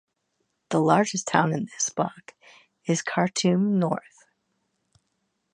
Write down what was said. The largest town in this block is Khartoum North.